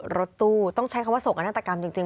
รถตู้ต้องใช้คำว่าโศกนาฏกรรมจริง